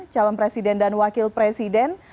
calon presiden dan wakil presiden